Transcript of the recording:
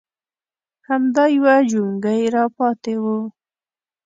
_همدا يو جونګۍ راپاتې و.